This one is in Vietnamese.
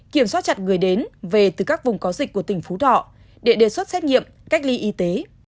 kiểm soát chặt người đến về từ các vùng có dịch của tỉnh phú thọ để đề xuất xét nghiệm cách ly y tế